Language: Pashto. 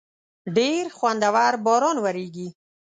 ډېر خوندور باران وریږی